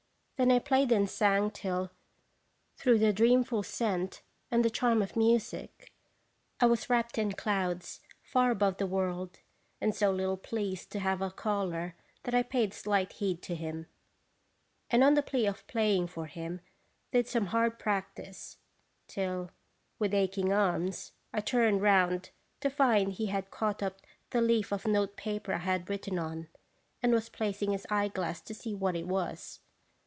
Then I played and sang till, through the dreamful scent and the charm of music, I was rapt in clouds far above the world, and so little pleased to have a caller that I paid slight heed to him ; and, on the plea of playing for him, did some hard practice, till, with aching arms, I turned round to find he had caught up the leaf of note paper I had written on, and was placing his eyeglass to see what it was.